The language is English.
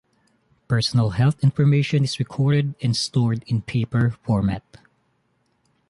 Personal health information is recorded and stored in paper format.